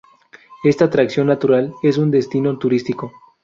Esta atracción natural es un destino turístico.